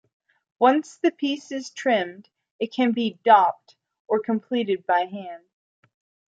Once the piece is trimmed it can be "dopped" or completed by hand.